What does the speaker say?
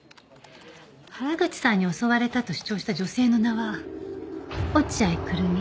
原口さんに襲われたと主張した女性の名は落合久瑠実。